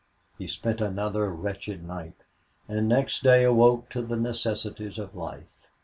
He spent another wretched night, and next day awoke to the necessities of life.